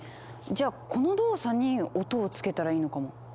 じゃあこの動作に音をつけたらいいのかも。